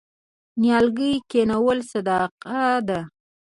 نیالګي کینول صدقه ده.